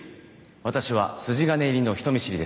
私は筋金入りの人見知りです